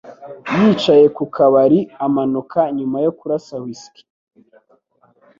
Yicaye ku kabari amanuka nyuma yo kurasa whisky.